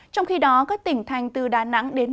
trong khi đó các tỉnh thành từ đà nẵng đến thừa thiên huế